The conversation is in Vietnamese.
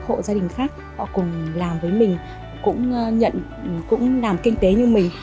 hỗ gia đình khác họ cùng làm với mình cũng nhận cũng làm kinh tế như mình